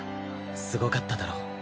すごかっただろ？